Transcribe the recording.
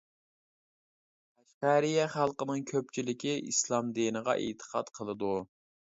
قەشقەرىيە خەلقىنىڭ كۆپچىلىكى ئىسلام دىنىغا ئېتىقاد قىلىدۇ.